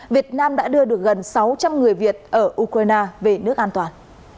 việt nam đã đưa được gần sáu trăm linh người việt ở ukraine về nước an toàn